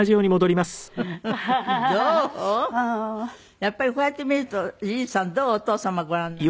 やっぱりこうやって見るとリズさんどう？お父様ご覧になると。